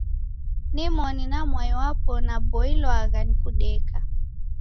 Nimoni na mwai wapo daboilwagha ni kudeka.